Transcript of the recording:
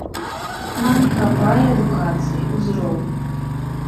Нам не хапае адукацыі, узроўню.